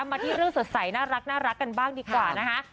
มาที่เรื่องสดใสน่ารักกันบ้างดีกว่านะคะ